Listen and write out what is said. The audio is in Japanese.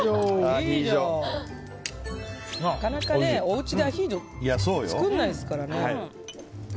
なかなかおうちでアヒージョ作らないですからね。